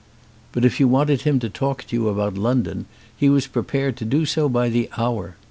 But if you wanted him to talk to you about London he was prepared to do so by the hour.